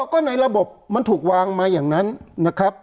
ก็ในระบบมันถูกวางมาอย่างนั้นนะครับ